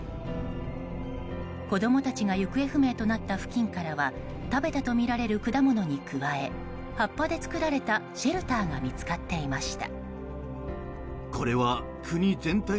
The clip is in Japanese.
子供たちが行方不明となった付近からは食べたとみられる果物に加え葉っぱで作られたシェルターが見つかっていました。